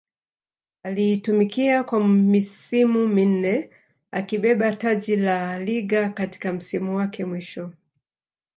aliitumikia kwa misimu minne akibeba taji la La Liga katika msimu wake mwisho